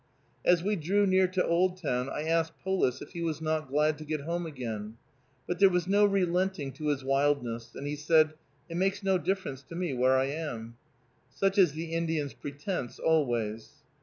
As we drew near to Oldtown I asked Polis if he was not glad to get home again; but there was no relenting to his wildness, and he said, "It makes no difference to me where I am." Such is the Indian's pretense always.